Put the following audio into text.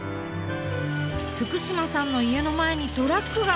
福島さんの家の前にトラックが！